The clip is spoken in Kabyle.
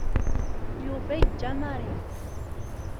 Yuba yeǧǧa Mary.